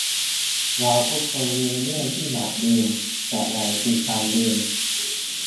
เราทุกคนมีเรื่องที่อยากลืม แต่อะไรคือ 'การลืม' ?